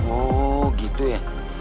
oh gitu ya